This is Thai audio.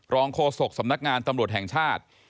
โฆษกสำนักงานตำรวจแห่งชาติ